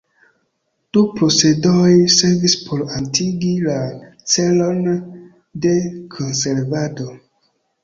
Du procedoj servis por atingi la celon de konservado.